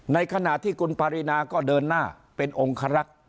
ในขณะที่คุณปารินาก็เดินหน้าเป็นองครักษ์